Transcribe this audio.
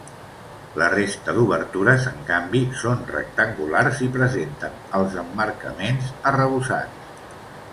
La resta d'obertures, en canvi, són rectangulars i presenten els emmarcaments arrebossats.